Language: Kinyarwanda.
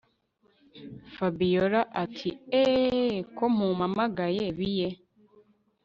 Fabiora atieeeehhhh ko mumpamagayr biye